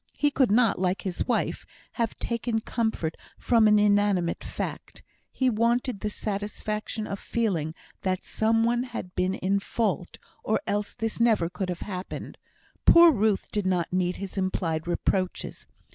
He could not, like his wife, have taken comfort from an inanimate fact; he wanted the satisfaction of feeling that some one had been in fault, or else this never could have happened. Poor Ruth did not need his implied reproaches.